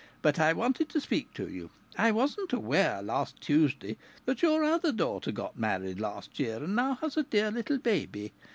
But I wanted to speak to you. I wasn't aware, last Tuesday, that your other daughter got married last year and now has a dear little baby.